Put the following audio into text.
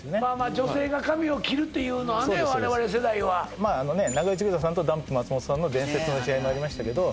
女性が髪を切るっていうのはね我々世代は長与千種さんとダンプ松本さんの伝説の試合もありましたけど